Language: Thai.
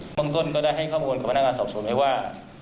บางคนก็ได้ให้เข้าโมงกับพนักงานสอบสรุนไว้ว่า